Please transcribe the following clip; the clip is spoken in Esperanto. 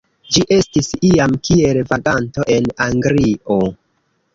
Ĝi estis iam kiel vaganto en Anglio.